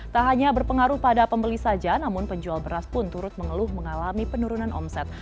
tak hanya berpengaruh pada pembeli saja namun penjual beras pun turut mengeluh mengalami penurunan omset